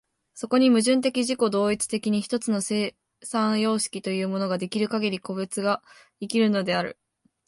そこに矛盾的自己同一的に一つの生産様式というものが出来るかぎり、個物が生きるのである。